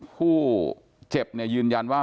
ผู้เจ็บเนี่ยยืนยันว่า